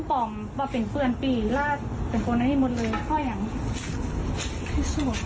ก็อย่างนึงถ้าช่วยผลไปได้